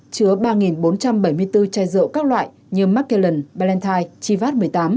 chứa ba bốn trăm bảy mươi bốn chai rượu các loại như macallan ballantyne chivat một mươi tám